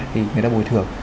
thì người ta bồi thường